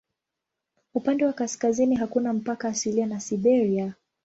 Upande wa kaskazini hakuna mpaka asilia na Siberia.